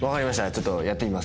ちょっとやってみます。